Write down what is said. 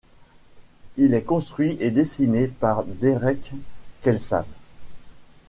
Il est construit et dessiné par Derek Kelsall.